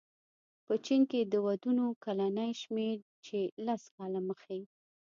په چین کې د ودونو کلنی شمېر چې لس کاله مخې